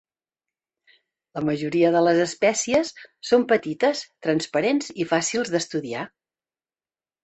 La majoria de les espècies són petites, transparents i fàcils d'estudiar.